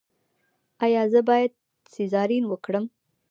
ایا زه باید سیزارین وکړم؟